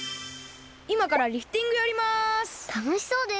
いまからリフティングやります。